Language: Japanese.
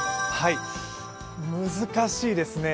難しいですね。